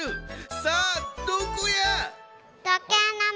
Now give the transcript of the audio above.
さあどこや？